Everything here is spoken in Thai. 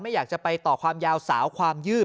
อยากจะไปต่อความยาวสาวความยืด